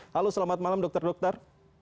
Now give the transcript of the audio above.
halo selamat malam dokter dokter